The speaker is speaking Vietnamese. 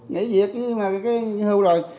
nghỉ diệt nhưng mà cái hưu rồi